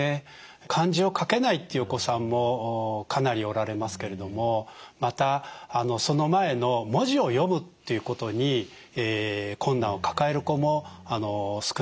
漢字を書けないっていうお子さんもかなりおられますけれどもまたその前の文字を読むっていうことに困難を抱える子も少なくありません。